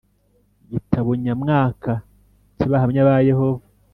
Igitabo nyamwaka cy’Abahamya ba Yehova